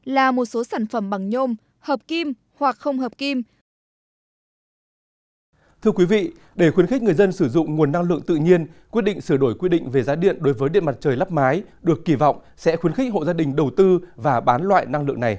là một số sản phẩm bằng nhôm hợp kim hoặc không hợp kim